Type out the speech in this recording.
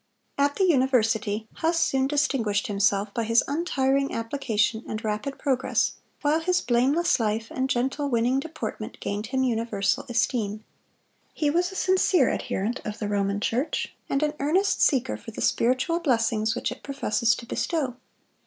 At the university, Huss soon distinguished himself by his untiring application and rapid progress, while his blameless life and gentle, winning deportment gained him universal esteem. He was a sincere adherent of the Roman Church, and an earnest seeker for the spiritual blessings which it professes to bestow.